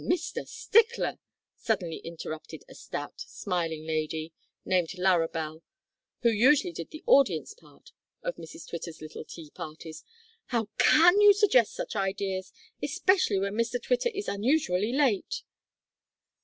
Mr Stickler," suddenly interrupted a stout, smiling lady, named Larrabel, who usually did the audience part of Mrs Twitter's little tea parties, "how can you suggest such ideas, especially when Mr Twitter is unusually late?"